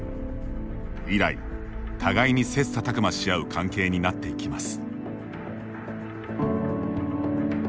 以来、互いに切磋琢磨しあう関係になっていきます。